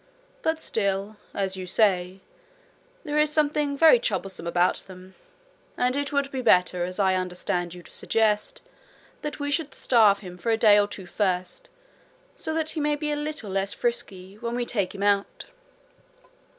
But still, as you say, there is something very troublesome about them; and it would be better, as I understand you to suggest, that we should starve him for a day or two first, so that he may be a little less frisky when we take him out.'